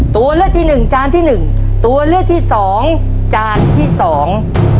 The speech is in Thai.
ตัวเลือกที่หนึ่งจานที่หนึ่งตัวเลือกที่สองจานที่สอง